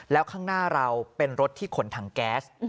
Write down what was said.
แล้วข้างหน้าเราเป็นรถที่ขนถังแก๊ส